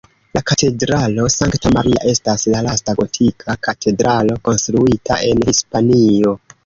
La Katedralo Sankta Maria estas la lasta gotika katedralo konstruita en Hispanio.